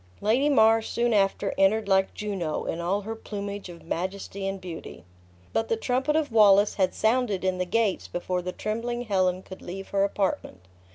Lady Mar soon after entered like Juno, in all her plumage of majesty and beauty. But the trumpet of Wallace had sounded in the gates before the trembling Helen could leave her apartment.